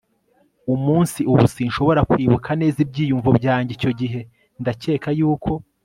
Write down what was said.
umunsi. ubu sinshobora kwibuka neza ibyiyumvo byanjye icyo gihe. ndakeka yuko